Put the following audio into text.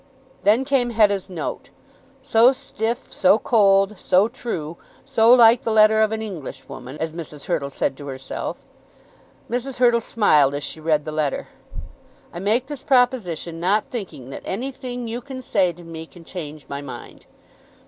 Then came Hetta's note, so stiff, so cold, so true, so like the letter of an Englishwoman, as Mrs. Hurtle said to herself. Mrs. Hurtle smiled as she read the letter. "I make this proposition not thinking that anything you can say to me can change my mind."